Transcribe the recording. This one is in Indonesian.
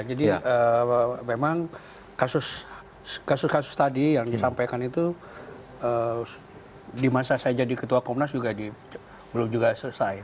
jadi memang kasus kasus tadi yang disampaikan itu di masa saya jadi ketua komnas belum juga selesai